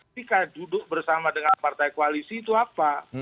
ketika duduk bersama dengan partai koalisi itu apa